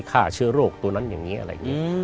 ฆ่าเชื้อโรคตัวนั้นอย่างนี้อะไรอย่างนี้